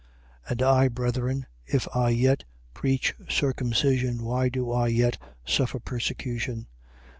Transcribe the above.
5:11. And I, brethren, if I yet preach circumcision, why do I yet suffer persecution?